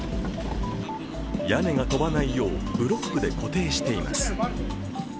屋根が飛ばないようブロックで固定しています。